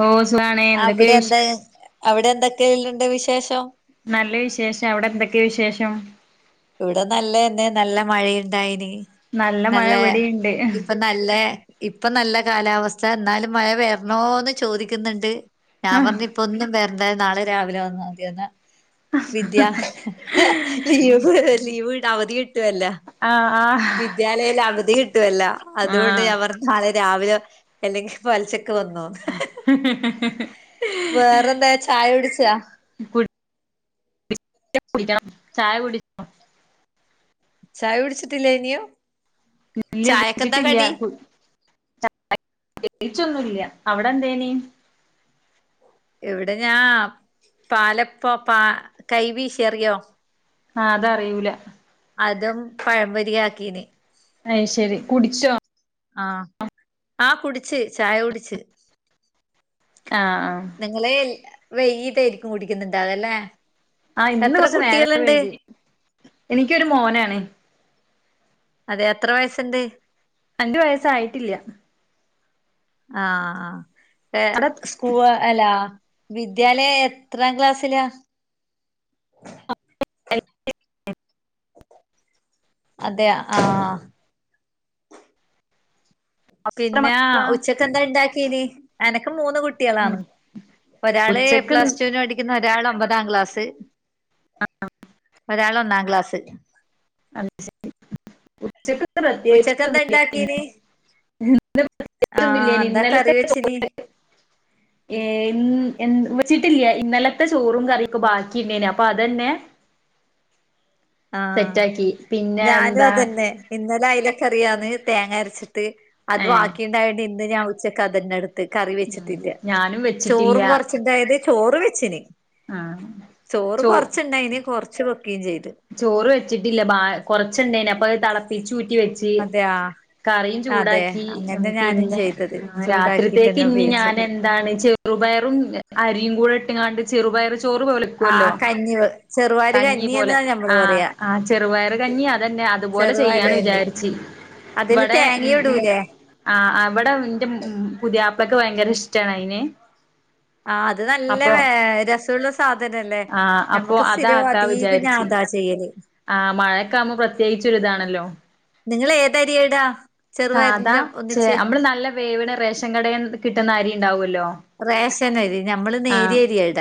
ഓ സുഖാണ് എന്തൊക്കെ അവിടെ വിശ് എന്താ അവിടെ എന്തൊക്കെയുണ്ട് വിശേഷം നല്ല വിശേഷം അവിടെ എന്തൊക്കെയ വിശേഷം ഇവിടെ നല്ലതന്നെ നല്ല മഴയുണ്ടായിന്ന് മഴ നല്ല ഇവിടെയുണ്ട് ഇപ്പ നല്ല ഇപ്പം നല്ല കാലാവസ്ഥ എന്നാലും മഴ വരണോന്ന് ചോദിക്കുന്നുണ്ട് ഞാൻ ആഹ് പറഞ്ഞ് ഇപ്പം ഒന്നും വരണ്ടാ നാളെ രാവിലെ വന്നാ മതിന്ന് വിദ്യ ലീവ് ലീവ് അവധി കിട്ടുവല്ലോ ആഹ് വിദ്യാലയത്തിന് അവധി കിട്ടുവല്ലോ അതുകൊണ്ട് ആഹ് ഞാൻ പറഞ്ഞ് നാളെ രാവിലെ അല്ലെങ്കിൽ പലിശക്ക് വന്നോ ഹിഹി ഹി വേറെന്താ ചായ കുടിച്ചോ കുടി ഇല്ല കുടിക്കണം ചായ കുടി ചായ കുടിച്ചിട്ടില്ലേ ഇനിയും ഇല്ല ചായക്ക്‌ എന്താ കുടിച്ചിട്ടില്ല കടി പ്രത്യേകിച്ചൊന്നുമില്ല അവിടെ എന്തേയിന് ഇവിടെ ഞാ അ പാലപ്പം പാ കൈവീശി അറിയാവോ ആഹ് അതറിയൂല അതും പഴം പൊരിയാക്കീന് അയ് ശരി കുടിച്ചോ ആഹ് ആഹ് കുടിച്ച് ചായ കുടിച്ച് ആഹ് ആഹ് നിങ്ങള് വൈകിട്ടായിരിക്കും കുടിക്കുന്നുണ്ടാകല്ലെ ആഹ് ഇന്ന് കൊറച്ച് നേരം വൈകി എനിക്കൊരു മോനാണ് അതെ എത്ര വയസ്സുണ്ട് രണ്ടു വയസ്സായിട്ടില്ല ആഹ് ആഹ് അവിടെ ഏഹ് പോവാ അല്ലാ വിദ്യാലയം എത്രാം ക്ലാസ്സിലാ അതെയോ ആഹ് എത്ര പിന്നെ മക്കളാ ഉച്ചക്കെന്താ ഉണ്ടാക്കീനി എനക്ക് മൂന്ന് കുട്ടി കുട്ട്യാളാണ് ഒരാള് ഉച്ചക്ക് പ്ലസ് ടു വിന് പഠിക്കുന്ന് ഒരാള് ഒമ്പതാം ക്ലാസ് ഒരാള് ഒന്നാം ക്ലാസ് അത് ശരി ഉച്ചയ്ക്കെന്താ ഉച്ചക്കെന്താ പ്രത്യേകിച്ചൊന്നും ഇല്ലായിന്നു ഇണ്ടാക്കീന് ഇന്ന് ആഹ് പ്രത്യേകിച്ചൊന്നുമില്ലായിന്ന് എന്താ കറി ഇന്നലത്തെ വെച്ചിന് ചോറ് ഏഹ് ഇന്ന് വെച്ചിട്ടില്ല ഇന്നലത്തെ ചോറും കറിയൊക്കെ ബാക്കിണ്ടായിന്ന് അപ്പോ അതന്നെ ആഹ് സെറ്റാക്കി പിന്നെ ഞാനും എന്താ അതന്നെ ഇന്നലെ അയല കറിയാന്ന് തേങ്ങ അരച്ചിട്ട് അത് ഏഹ് ബാക്കിണ്ടായോണ്ട് ഇന്ന് ഞാൻ ഉച്ചക്ക്‌ അതന്നെ എടു ത്ത് കറി ഉം വെച്ചിട്ടില്ല ഞാനും വെച്ചിട്ടില്ല ചോറും കുറച്ചുണ്ടായത് ചോറ് വെച്ചിന് ആഹ് ചോറ് ചോ കൊറച്ചുണ്ടായിന് കൊറച്ച് വെക്കുകയും ചെയ്ത് ചോറ് വെച്ചിട്ടില്ല ബാ കൊറച്ചുണ്ടായിന്ന് അപ്പോ തിളപ്പിച്ച് ഊറ്റി വെ അതെയോ കറിയും ചൂടാക്കി പിന്നെ ചെയ്തത് രാത്രിത്തേക്ക് ചൂടാക്കിട്ടന്നെ ഇനി ഞാൻ ഉപയോഗിച്ചത് എ എന്താണ് ചെറുപയറും അരിയും കൂടെ ഇട്ടങ്ങാണ്ട് ചെറുപയർ ചോറ്പോലെ ആഹ് കഞ്ഞിവെ ചെറുപയറ് പോലെ കഞ്ഞിന്ന് ന ആഹ് ആ ചെറുപയറ് കഞ്ഞി അതന്നെ അതുപോലെ ചെറുപയറ് ചെയ്യാന്ന് കഞ്ഞി വിചാരിച്ച് അതില് ഇവിടെ ഇമ് തേങ്ങയും ഇമ് ഇടൂലേ ആഹ് അവിടെ ഇന്റെ പുതിയാപ്പിളെക്ക്‌ ഭയങ്കര ഇഷ്ടാണ് അയിന് ആഹ് അത് നല്ല അപ്പൊ രസള്ള സാധനല്ലേ ആഹ് അപ്പൊ നമ്മക്ക് സ്ഥിരവും അതാക്കാ അധികവും ഞാൻ വിചാരിച്ച് അതാ ചെയ്യല് ആഹ് മഴയക്കെ ആകുമ്പോ പ്രത്യേകിച്ചൊരിതാണല്ലോ നിങ്ങള് ഏത് അരിയാ ഇട സാധാ ചെ നമ്മള് നല്ല വേവിണ റേഷൻ കട കിട്ടുന്ന അരി ഉണ്ടാവുല്ലോ റേഷൻ അരി ഞമ്മള് നേരിയ അരിയാ ഇട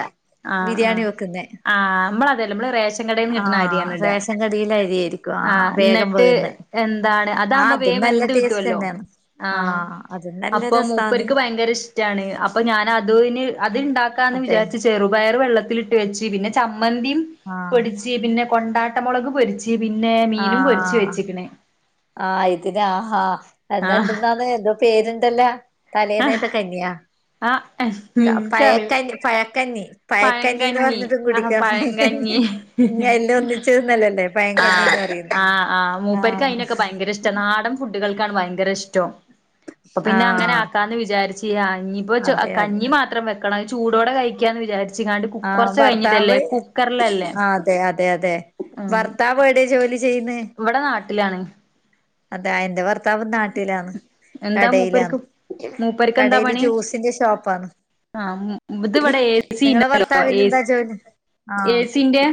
ആഹ് ബിരിയാണി ആഹ് വെക്കുന്നേ ആഹ് നമ്മള് അതെ അല്ലാ നമ്മള് റേ കടേന്ന് കിട്ടാണാ ആഹ് അരിയാണ് ഇട്യയാ റേഷൻ കടയിലെ അരിയായിരിക്കും ആഹ് വേഗം എന്നിട്ട് വേകുന്നെ എന്താണ് ആഹ് അതാവ്മ്പോ അതും വേവ് എ നല്ല ട്ട് കിട്ടു ടേസ്റ്റ് അല്ലോ തന്നെയാണ് ആഹ് അതും നല്ല അപ്പൊ രസാണ് മൂപ്പരക്ക് ബയങ്കര ഇഷ്ടാണ് അപ്പൊ ഞാൻ അതുവ്ന് അത് ഇണ്ടാക്കാ എന്ന് അതെ വിചാരിച്ച് ചെ ചെറ്പയർ വെള്ളത്തിലിട്ട് വെച്ച് പിന്നെ ചമ്മന്തിയും ആഹ് പൊടിച്ച് പിന്നെ കൊണ്ടാട്ടും മൊളക് പൊരി ച്ച് പിന്നെ മീനും പൊരിച്ചു വെച്ചിക്കണ് ആഹ് ഇതിനാ ആഹ് അത് ആഹ് എന്തെന്നാണ് എന്തോ പേര് ഇണ്ടല്ലേ ആഹ് തലേന്ന്ത്തൊ കഞ്ഞിയാ ആഹ് പയേ എനിക്കറിയ കഞ്ഞി പയക്കഞ്ഞി പയക്കഞ്ഞിന്ന് പഴങ്കഞ്ഞി പറഞ്ഞാത് ആഹ് കുടിക്ക്യാൻ പഴങ്കഞ്ഞി ഇങ്ങ് എല്ലാം ഒന്നിച്ച് തിന്ന ലല്ലേ പയം കഞ്ഞി ആഹ് പറയും ആഹ് ആഹ് മൂപ്പർക്ക് ആഹ് അയിനൊക്കെ ഭയങ്കര ഇഷ്ടം നാടൻ ഫുഡുകൾക്കാണ് ഭയങ്കര ഇഷ്ടം അപ്പൊ പിന്നെ അങ്ങനെ ആഹ് ആക്കാന്ന് വിചാരി ചിയാ ആഹ് ഇപ്പൊ അതെ അതെ കഞ്ഞി മാത്രം വെക്കണം ചൂടോടെ കഴിക്ക്യാന്ന് വിചാരി ആഹ് ഭർത്താവ് കുക്കറിലല്ലേ ആഹ് അതെ -അതെ- അതെ -ഭർ ത്താവ് എവടെയാ ജോലി ചെയ്യ്ന്നേ ഇവടെ നാട്ടിലാണ് അതാ എന്റെ ബാർത്താവും നാട്ടിലാണ് എന്താ കടയിലാണ് മൂപ്പർക്ക് മൂപ്പർക്ക് എന്താ കടയില് പണി ജുസിന്റെ ഷോപ്പാണ് ആഹ് ഇത് ഇവിടെ എ സി നിങ്ങളെ ഉണ്ടല്ലോ എ ബാർത്താവിന് എന്താ ജോലി എ ആഹ് സിന്റെ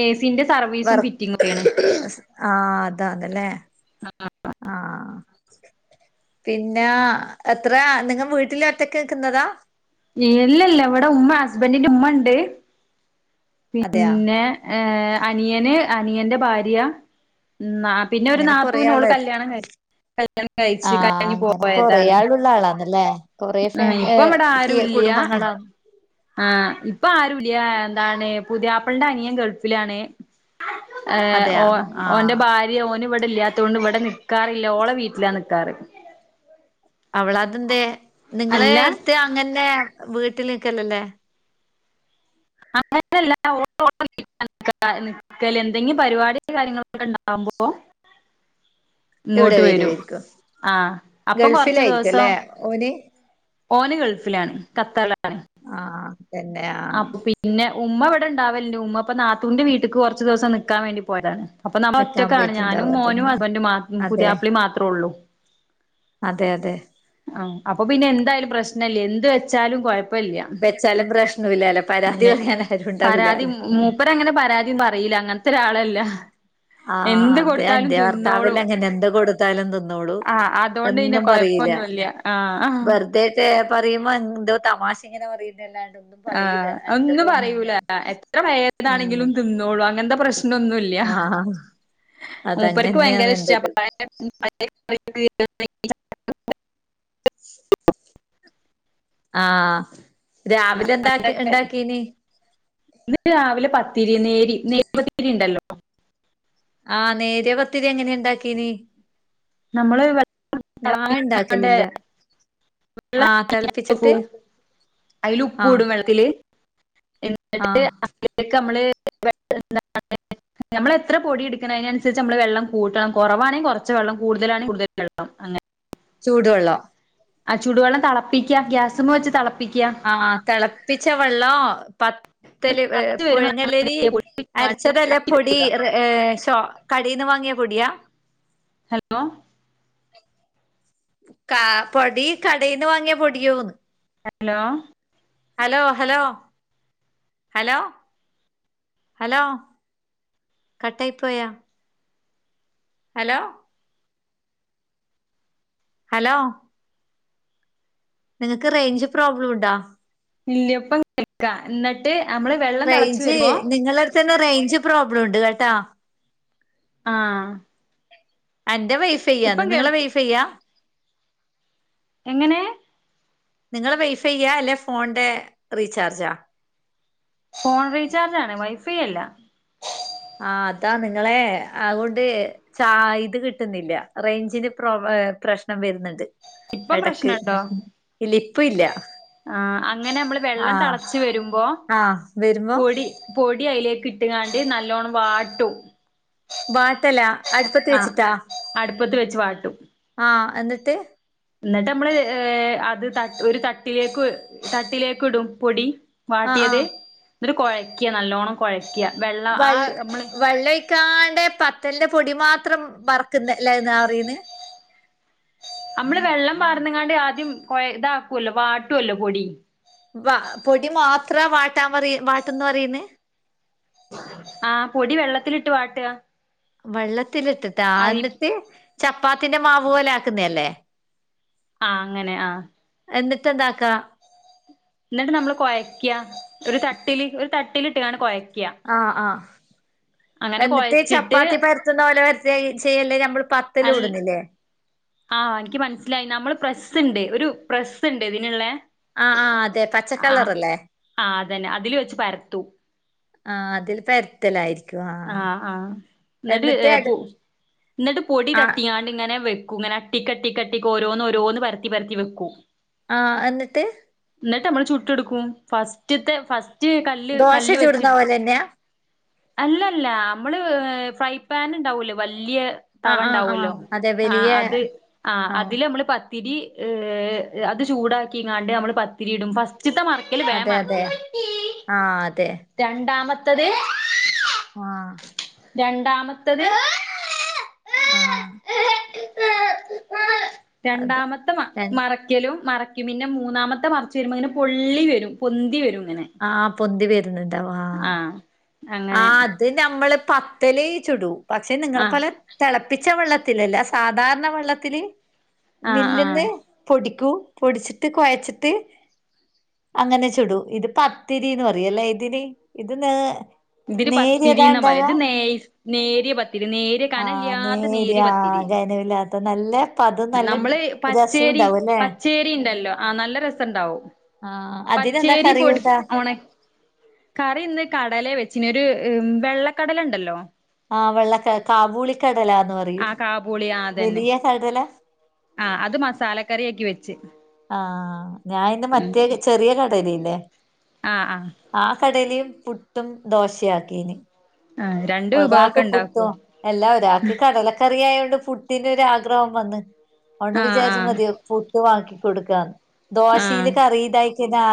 എ സിന്റെ വ സർവീസും ഹ ഫിറ്റിംഗ് ഒക്കെയാണ് ആഹ് അതാ അതാല്ലേ ആഹ് പിന്നാ എത്ര നിങ്ങ വീട്ടില് ഒറ്റക്ക് നിക്കാന്നാതാ ഇല്ല ഇല്ല ഇവടെ ഉമ്മ ഹസ്ബൻഡിന്റെ ഉമ്മ ഇണ്ട് അതെയാ പിന്നെ ഏ അനിയന് അനിയന്റെ ഭാര്യ നാ പിന്നെ ഒരു അങ്ങനെ കൊറെ നാത്തൂന് ഓള് ആളോ കല്യാണം കഴിച്ച് കല്യാണം കഴിച്ച് ആഹ് കഴിഞ്ഞ് അങ്ങനെ കൊറെ പോയതാണ് ആള് ആളാന്നല്ലേ കൊറ ഫാമ ആഹ് യെ ഇപ്പൊ ഇവിടെ ല്ല്യായാ ആരുല്ല്യ കുടുംബങ്ങളാണ് ആഹ് ഇപ്പൊ ആരും ഇല്ല്യാ എന്താണ് പുതിയാപ്പൾന്റെ അനിയൻ ഗൾഫിലാണ് യെ അതെയാ ഓ ഓന്റെ ആഹ് ബാര്യാ ഓന് ഇവടെ ഇല്ലാത്തോകൊണ്ട് ഇവടെ നിക്കാറില്ല ഓളെ വീട്ടിലാ നിക്കാറ് അവള് അത് എന്തേ അല്ല നിങ്ങള്ത്ത് അങ്ങനെ വീട്ടില് നിക്കലല്ലേയ് [unintelligible] [unintelligible] നിക്കല്ല് എന്തെങ്കിലും പരിപാടിയും കാര്യങ്ങളൊക്കെ ഇണ്ടാവ്മ്പോ ഇവിടെ ഇങ്ങോട്ട് വരും വരുവായിരിക്കും ആഹ് അപ്പോ കൊറച്ച് ഗൾഫിലായിരിക്കും ദേവസം അല്ലെ ഓന് ഓന് ഗൾഫിലാണ് ഖത്തർലാണ് ആഹ് തന്നെ ആഹ് പിന്നെ ഉമ്മ ഇവടെ ഇണ്ടാവലുണ്ട് ഉമ്മ ഇപ്പോ നാത്തൂന്റെ വീട്ടക്ക് കോറാച്ച് ദി വസം നിക്കാൻ വേണ്ടി പോയതാണ് അപ്പൊ നമ്മ നിക്കാൻ ഒറ്റൊക്കാണ് ഞാനും പോയിട്ടുണ്ടാവും മോനും അതന്നെ ഹാസ്ബൻൻ്റെ മാ അതെ പുതിയാപ്പിളാ മാത്ര ഒള്ളു അതെ അതെ ആഹ് അപ്പൊ പിന്നെ എന്തായാലും പ്രശ്നം ഇല്ല്യാ എന്ത് വെച്ചാലും കൊയാ ഇല്ല്യാ വെച്ചാലും പ്രശ്നമില്ലല്ലോ പരാതി പറയാൻ ആരും ഉണ്ടാവില്ലല്ലോ പരാതി ഉം [unintelligible] മുപ്പര് അങ്ങനെ പരാതിയും പറയില്ലാ അങ്ങനത്തെ ഒരാളല്ലാ ആഹ് അതെ എന്റെ ഭർത്താവും ലെ അങ്ങനെ എന്താ കൊടുത്താലും തിന്നോളൂം ആ അതുകൊണ്ട് പിന്നെ ഒന്നും പറയില്ല്യാ കൊഴപ്പൊന്നുല്ല ആ ആ വെറ്തേ പറയുമ്പോ എന്തോ തമാശേ ഇങ്ങനെ പറയണ്ട് അല്ലാണ്ടൊന്നും ആഹ് ഒന്നും പറയൂല്ലാ എത്ര പായേട്താ ഉം നെങ്കിലും തിന്നോളൂ അങ്ങനത്തെ പ്രശ്നൊന്നു ഇല്ല്യാ ആഹ് മൂപ്പർക്ക് ബയങ്കര അതങ്ങനെയാണ് ഇഷ്ടാ എന്റത് പറ [unintelligible] ആഹ് രാവിലെ എന്താക്കി ഇണ്ടാക്കീന് ഇന്ന് രാവിലെ പത്തിരി നേരി നോയ് പത്തിരി ഇണ്ടല്ലോ ആഹ് നേര്യ പത്തിരി എങ്ങനെ ഉണ്ടാക്കീന് നമ്മള് വെള്ളാണ്ട് ഞാന്ണ്ടാക്കലില്ല ആഹ തെളപ്പിച്ചിട്ട് അതിൽ ഉപ്പ് ആഹ ഇടും വെള്ളത്തില് എന്നിട്ട് അക്കീക്ക്‌ അമ്മള് [unintelligible] നമ്മള് എത്ര പൊടി എടുക്കണം അതിനനുസരിച്ച് നമ്മള് വെള്ളം കൂട്ടണം കിറവാണെങ്കി കൊറച്ച് വെള്ളം കൂടുതലണെങ്കി കടുതൽ വെള്ളം അങ്ങനെ ചൂടുവെള്ളോ? ആ ചൂടുവെള്ളം തളപ്പിക്യ ഗ്യാസമ്മ വെച്ച് തളപ്പിക്യാ ആ തളപ്പിച്ച വെള്ളം പ അത് ല് തിളച്ച് വരുമ്പോ പുഴ്ങ്ങല്ലരി നമ്മള് പൊടി ഇങ്ങാണ്ട് അരച്ചതല്ല. വാട്ടി കൊടുക്കും. പൊടി [unintelligible] കടേന്ന് വാങ്ങിയ പൊടിയാ? ഹലോ കാ പൊടി കടേന്നു വാങ്ങിയ പൊടിയോന്ന് - hello hello -hello -hello- hello കട്ടായിപ്പോയോ ഹലോ ഹലോ നിങ്ങക്ക് റേഞ്ച് പ്രോബ്ലം ഉണ്ടോ ഇല്ല പ്പം കേൾക്ക ന്ന്ട്ട് നമ്മള് വെള്ളം തിളച്ച് റെയ്ഞ്ച് വരുമ്പോ റെയ്ഞ്ച് നിങ്ങളെട്ത്തെന്നെ റെയ്ഞ്ച് പ്രോബ്ലം ഉണ്ട് കേട്ടോ ആ അന്റെ വൈഫൈയ്യാന്ന് ഇപ്പം നിങ്ങളെ കേൾക്ക് വൈഫൈയ്യാ എങ്ങനെ നിങ്ങളെ വൈഫൈയ്യ അല്ലെ ഫോൺന്റെ റീചാർജാ ഫോൺ റീചാർജാണ് വൈഫൈ അല്ല ആ അതാ നിങ്ങളെ അങൊണ്ട് ച ഇത് കിട്ട്ന്നില്ല റെയ്ഞ്ചിന് പ്രോ പ്രശ്നം വെര്ന്ന്ണ്ട് ഇപ്പം എടക്ക് പ്രശ്നണ്ടോ ഇല്ല ഇപ്പല്ല ആ അങ്ങനെ മ്മള് വെള്ളം തളച്ച് വെരുമ്പോ ആഹ് വരുമ്പോ പൊടി പൊടി അയ്ലേക്ക് ഇട്ട്ങ്ങാണ്ട് നല്ലോണ്ണം വാട്ടും വാട്ടലാ അട്പ്പത്ത് ച്ച്ട്ടാ പ്പത്ത് വെച്ച് വാട്ടും ആ എന്ന്ട്ട് ന്ന്ട്ട് മ്മള് ഏ അത് ത ഒരു തട്ട്ലേക്ക് തട്ട്ലേക്ക്ടും പൊടി ആഹ് വാട്ട്യേത് ആഹ് ന്ന്ട്ട് കൊഴക്ക്യ നല്ലോണ്ണം കൊഴക്ക്യ വെള്ളം ആ നമ്മള് ക്കാണ്ടെ പത്തൽന്റെ പൊടി മാത്രം വർക്ക്ന്നത് ല്ലേ ന്നാ പറയ്ന്നെ നമ്മള് വെള്ളം പാർന്ന്ങ്ങാണ്ട് ആദ്യം കൊ താക്കൊല്ലോ വാട്ടൊല്ലോ പൊടി വ പൊടി മാത്ര വാട്ടാൻ പറയ് വാട്ടും ന്ന് പറയുന്ന് ആ പൊടി വെള്ളത്തിലിട്ട് വാട്ട വെള്ളത്തിലിട്ടിട്ടാ ന്ന്ട്ട് ചപ്പാത്തിന്റെ മാവ് പോലെ ആക്കുന്നല്ലേ ആ അങ്ങനെ ആ എന്നിട്ടെന്താക്കാ ന്ന്ട്ട് നമ്മള് കൊയക്ക്യ ഒരു തട്ട്ല് ഒരു തട്ട്ല്ട്ട്ങ്ങാണ്ട് കൊയക്ക്യ ആ ആ എന്നിട്ട് കൊഴച്ചിട്ട് ചപ്പാത്തി പര്ത്ത്ന്ന പോലെ പര്ത്താ ചെയ്യണ്ടേ നമ്മള് പ അൽ ആ എനിക്ക് മനസ്സിലായി നമ്മള് പ്രസ്സ്ണ്ട് ഒരു പ്രസ്സ്ണ്ട് ഇതിന്ള്ളേ ആഹ് ആഹ് അതെ ആ പച്ചക്കളറല്ലേ ആ അതെന്നെ അതില് വെച്ച് പര്ത്തും ആ അതിൽ പ ര്ത്തലായിരിക്കും ആ ആ ആ ന്ന്ട്ട് പോ ന്ന്ട്ട് പൊടി ആഹ് തട്ടിങ്ങാണ്ട് ഇങ്ങനെ വെക്കും ഇങ്ങനെ ട്ടിക്കട്ടിക്ക് ഓരോന്ന് ഓരോന്ന് പരത്തിപരത്തി വെക്കും ആ എന്നിട്ട് ന്ന്ട്ട് നമ്മള് ചുട്ട്ട്ക്കും ഫസ്റ്റ്ത്തെ ഫസ്റ്റ് കല്ല് കല്ല് വെച്ച് അതെന്നാ അല്ലല്ല നമ്മള് ഫ്രൈ പാൻണ്ടാവല്ലോ വല്യ തവ ആഹ് ആഹ് ആഹ് ണ്ടാവുല്ലോ അതെ ആ വലിയ അത് ആ ആഹ് അതില് നമ്മള് പ പത്തിരി അത് ചൂടാക്കിങ്ങാണ്ട് നമ്മള് പത്തിരി ഇടും ഫസ്റ്റ്ത്തെ മ റിക്കല് വേം അതെ മറിക്ക അതെ ആഹ് അതെ രണ്ടാമത്തത് ആ രണ്ടാമത്തത് ആ അത് രണ്ടാമത്തെ മ മറ ക്കലും മറയ്ക്കും പിന്നെ മൂന്നാമത്തെ മറച്ച് വെരുമ്പോ ഇങ്ങനെ പൊള്ളി വരും പൊന്തി വരും ഇങ്ങനെ ആഹ് പൊന്തി വരുന്നുണ്ടാവും ആഹ് അങ്ങനെ ഇത്‌ നമ്മള് പത്തല് ചുടു പക്ഷെ നിങ്ങളെ ആ പോലെ തിളപ്പിച്ച വെള്ളത്തിലല്ല സാധാരണ വെള്ളത്തില് ആ ആ മില്ല്ന്ന് പൊടിക്കു പൊടിച്ചിട്ട് കൊഴച്ചിട്ട് അങ്ങനെ ചുടു ഇത് പത്തിരീന്ന് പറയും അല്ലേ ഇതിന് ഇത് നേ ഇതിന് നേരിയതാ പത്തിരിന്നാ പറയാ ഇണ്ടാകാ ഇത് നേയ്സ് നേരിയ പത്തിരി നേരിയ കന ആഹ് ഇല്ല്യാത്ത നേരിയ പത്തിരി. ആഹ് ഖനവില്ലാത്ത നല്ല പതും നല്ല നമ്മള് പച്ചയരി രസവുണ്ടാവും അല്ലേ പച്ചയരി ഇണ്ടല്ലോ ആഹ് നല്ല ര സെണ്ടാവും ആഹ് അതിനെന്താ പച്ചയരി കറി പൊടി കൂട്ടാ ഒണ കറി ഇന്ന് കടലേ വെച്ചിന് ഒരു വെള്ളക്കടല എണ്ടല്ലൊ ആഹ് വെള്ള കട കാബൂളികടലാന്ന് പറ ആഹ് കാബൂളി ആഹ് അതന്നെ. ആഹ് അത് മസാലക്കറി ആക്കി വെച്ച് ആഹ് ഞാനിന്ന് മറ്റേ ചെറിയ കടല ഇല്ലെ ആ കടലയും പുട്ടും ദോശയാക്കീനി ആഹ് ഒരാക്ക് പുട്ടും എല്ലാ ഒരാക്ക് കടല ക്കറിയായതോണ്ട് പുട്ടിന് ഒരു ആഗ്രഹം വന്ന്. അതുകൊണ്ട് ആ ആ വിചാരിച്ച് മതിയോ പുട്ടും ആക്കി കൊടുക്കാന്ന്. ആ ദോശയില് കറിയിതായി തിന്നാ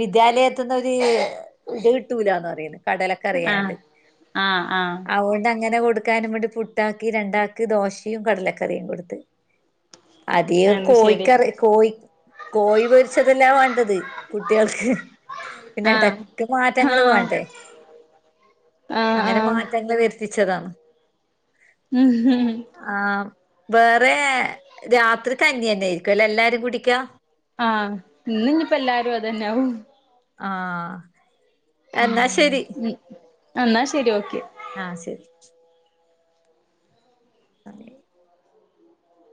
വിദ്യാലയത്തുന്നൊര് ഇത് കിട്ടൂലാന്ന് പറയുന്നു ആഹ് കടലക്കറിയായോണ്ട് ആഹ് ആഹ് അതുകൊണ്ട് അങ്ങനെ കൊടുക്കാനും വേണ്ടി പുട്ടാക്കി, രണ്ടാക്ക് ദോശയും കടലക്കറിയും കൊടുത്ത്. അധികം അത് ശരി കോഴിക്കറി കോഴി കോഴി പൊരിച്ചതെല്ലാ വേണ്ടത് കുട്ടികൾക്ക് പിന്നെ ആ എടക്ക് ആ മാറ്റങ്ങള് വേണ്ടേ ആ ആ അങ്ങനെ മാറ്റങ്ങൾ വരുത്തിച്ചതാണ് ഉം ഉം ആഹ് വേറേ രാത്രി കഞ്ഞി തന്നെയായിരിക്കുംല്ലേ എല്ലാരും കുടിക്കാ ആഹ് ഇന്ന് ഇന്നീപ്പ എല്ലാരും അതെന്നാവും ആഹ് എന്നാ ശെരി ഉം എന്നാ ശെരി ഓക്കെ ആഹ് ശെരി [unintelligible]